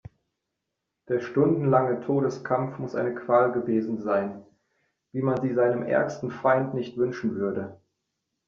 Der stundenlange Todeskampf muss eine Qual gewesen sein, wie man sie seinem ärgsten Feind nicht wünschen würde.